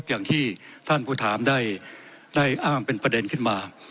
อย่างที่ท่านผู้ถามได้อ้างเป็นประเด็นขึ้นมา